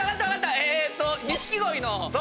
えーっと錦鯉の。